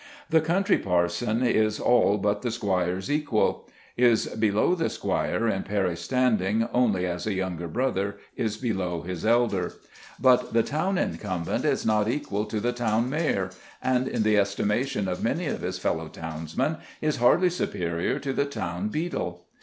The country parson is all but the squire's equal, is below the squire in parish standing only as a younger brother is below his elder; but the town incumbent is not equal to the town mayor, and in the estimation of many of his fellow townsmen is hardly superior to the town beadle.